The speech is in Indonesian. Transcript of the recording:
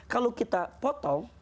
kalau kita potong